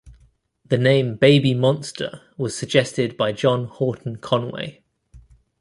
The name "baby monster" was suggested by John Horton Conway.